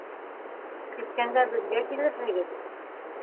Киткәндә беҙгә килерһегеҙ.